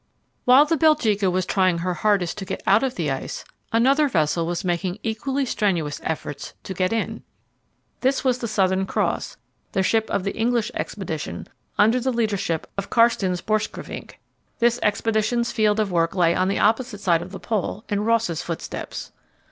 While the Belgica was trying her hardest to get out of the ice, another vessel was making equally strenuous efforts to get in. This was the Southern Cross, the ship of the English expedition, under the leadership of Carstens Borchgrevink. This expedition's field of work lay on the opposite side of the Pole, in Ross's footsteps.